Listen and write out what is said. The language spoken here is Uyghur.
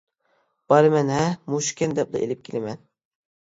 بارىمەن ھە مۇشۇكەن دەپلا ئېلىپ كېلىمەن.